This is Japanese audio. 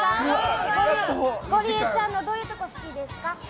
ゴリエちゃんのどういうところ好きですか？